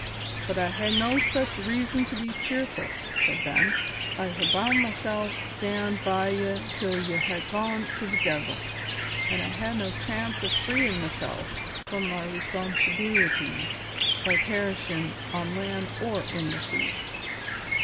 "But I hae no such reason to be cheerful," said Ben. "I hae bound mysel' to stand by ye till ye hae gone to the de'il, an' I hae no chance o' freein' mysel' from my responsibeelities by perishin' on land or in the sea."